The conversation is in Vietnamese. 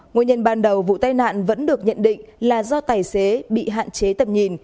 nguyên nhân ban đầu vụ tai nạn vẫn được nhận định là do tài xế bị hạn chế tầm nhìn